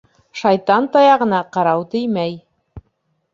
Шайтан таяғына ҡырау теймәй.